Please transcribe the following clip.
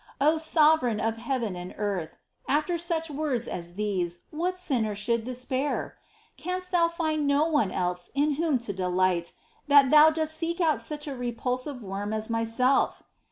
^ O Sovereign of heaven and earth ! after such words as these what sinner should despair ? Canst Thou find no one else in whom to delight, that Thou dost seek out such a repulsive worm as myself